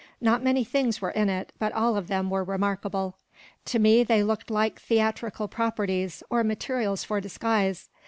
Not many things were in it; but all of them were remarkable. To me they looked like theatrical properties, or materials for disguise.